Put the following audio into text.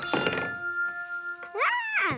わあ！